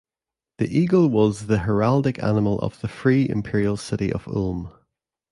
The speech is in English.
The eagle was the heraldic animal of the Free Imperial City of Ulm.